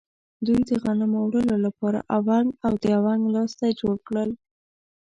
دوی د غنمو وړلو لپاره اونګ او د اونګ لاستی جوړ کړل.